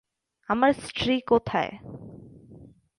আমার স্ত্রী কোথায়?